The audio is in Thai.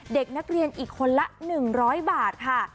เด็กนักเรียนอีกคนละ๑๐๐บาทค่ะ